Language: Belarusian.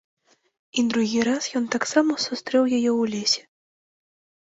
І другі раз ён таксама сустрэў яе ў лесе.